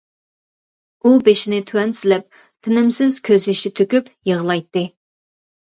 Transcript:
ئۇ بېشىنى تۆۋەن سېلىپ، تېنىمسىز كۆز يېشى تۆكۈپ يىغلايتتى.